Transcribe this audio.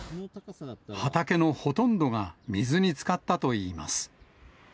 畑のほとんどが水につかったといいます。